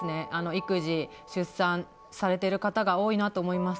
育児出産されてる方が多いなと思います。